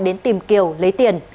đến tìm kiều lấy tiền